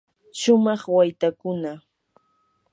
shumaq waytakuna.